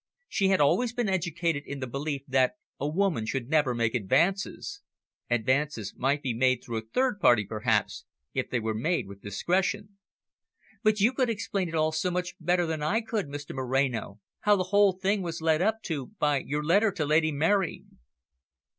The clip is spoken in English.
She had always been educated in the belief that a woman should never make advances. Advances might be made through a third party, perhaps, if they were made with discretion. "But you could explain it all so much better than I could, Mr Moreno, how the whole thing was led up to by your letter to Lady Mary."